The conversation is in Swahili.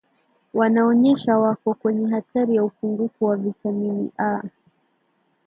wanaonyonyesha wako kwenye hatari ya upungufu wa vitamini A